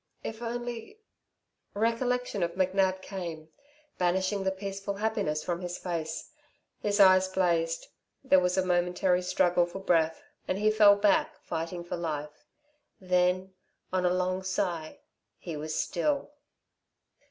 "If only " Recollection of McNab came, banishing the peaceful happiness from his face. His eyes blazed. There was a momentary struggle for breath and he fell back fighting for life. Then, on a long sigh, he was still.